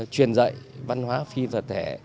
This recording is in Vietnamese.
chuyển dạy văn hóa phi vật thể